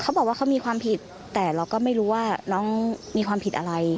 เขาบอกว่าเขามีความผิดแต่เราก็ไม่รู้ว่าน้องมีความผิดอะไร